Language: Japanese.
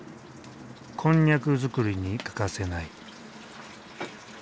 こんにゃく作りに欠かせない。